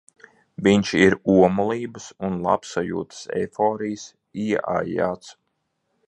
Viņš ir omulības un labsajūtas eiforijas ieaijāts.